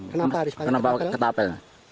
kenapa harus pakai ketapel